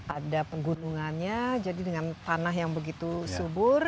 ada penggunungannya jadi dengan tanah yang begitu subur